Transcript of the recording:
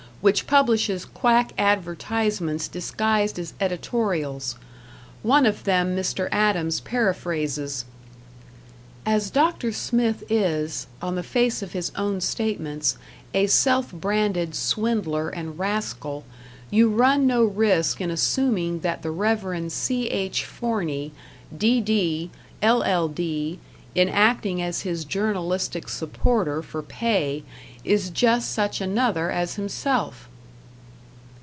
which publishes quack advertisements disguised as editorials. One of them Mr. Adams paraphrases: As Dr. Smith is, on the face of his own statements, a self branded swindler and rascal, you run no risk in assuming that the Rev. C.H. Forney, D.D., L.L.D., in acting as his journalistic supporter for pay, is just such another as himself!